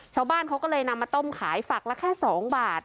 ชาวบ้านเขาก็เลยนำมาต้มขายฝักละแค่๒บาท